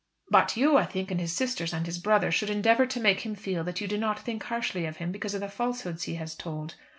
"But you, I think, and his sisters and his brother should endeavour to make him feel that you do not think harshly of him because of the falsehoods he has told.